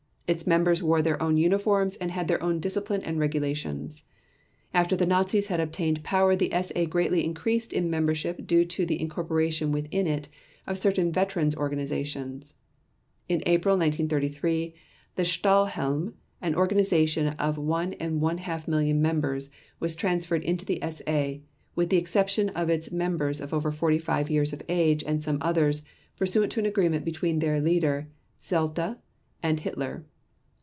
Its members wore their own uniforms and had their own discipline and regulations. After the Nazis had obtained power the SA greatly increased in membership due to the incorporation within it of certain veterans organizations. In April 1933 the Stahlhelm, an organization of 1½ million members, was transferred into the SA, with the exception of its members over 45 years of age and some others, pursuant to an agreement between their leader Seldte and Hitler.